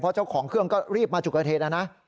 เพราะเจ้าของเครื่องก็รีบมาจุกเทศนะ